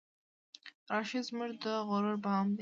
راشد زمونږه د غرور بام دی